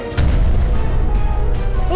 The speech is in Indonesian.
ternyata lu pacar bokat gue